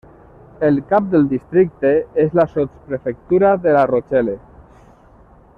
El cap del districte és la sotsprefectura de La Rochelle.